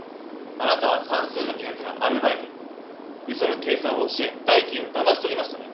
あなたはさんすうが苦手なアルバイトにうその計算を教え代金をだましとりましたね？